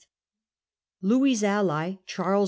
Louis's ally, Charles XI.